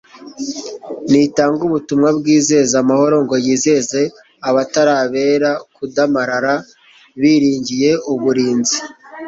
Ntitanga ubutumwa bwizeza amahoro ngo yizeze abatari abera kudamarara biringiye uburinzi